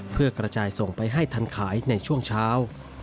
เพื่อกระจายส่งไปให้ทันขายในช่วงเช้า